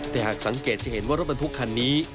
แต่หากสังเกตจะเห็นว่ารถบรรทุกคันนี้